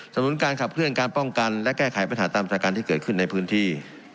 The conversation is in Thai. นุนการขับเคลื่อนการป้องกันและแก้ไขปัญหาตามสถานการณ์ที่เกิดขึ้นในพื้นที่